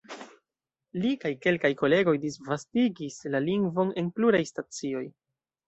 Li kaj kelkaj kolegoj disvastigis la lingvon en pluraj stacioj.